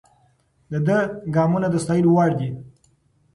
د ده ګامونه د ستایلو وړ دي.